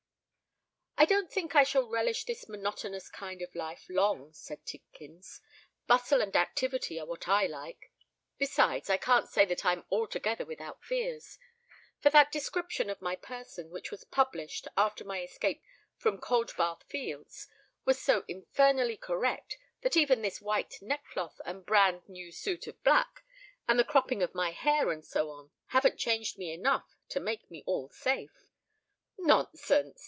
"I don't think I shall relish this monotonous kind of life long," said Tidkins. "Bustle and activity are what I like. Besides, I can't say that I'm altogether without fears; for that description of my person which was published after my escape from Coldbath Fields, was so infernally correct that even this white neckcloth, and bran new suit of black, and the cropping of my hair, and so on, haven't changed me enough to make all safe." "Nonsense!"